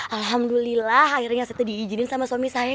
alhamdulillah akhirnya cete diizinin sama suami saya